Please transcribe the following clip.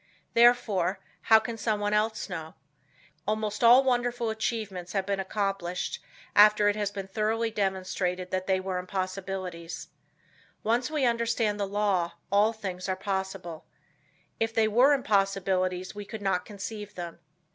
Therefore, how can someone else know? Never let anyone else put a valuation on you. Almost all wonderful achievements have been accomplished after it had been "thoroughly" demonstrated that they were impossibilities. Once we understand the law, all things are possible. If they were impossibilities we could not conceive them.